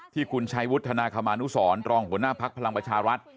ที่คุณชัยวุฒนาคมานุสรรองหัวหน้าภักดิ์พลังประชารัฐ